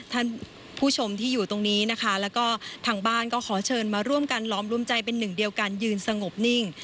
ท่านผู้ชมที่อยู่ตรงนี้นะคะแล้วก็ทางบ้านก็ขอเชิญมาร่วมกันล้อมร่วมใจเป็นหนึ่งเดียวกันยืนสงบนิ่ง